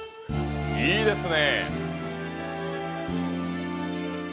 いいですね。